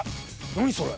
何それ？